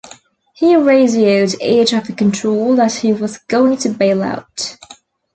He radioed air traffic control that he was going to bail out.